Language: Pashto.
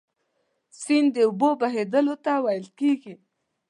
سیند د اوبو بهیدلو ته ویل کیږي.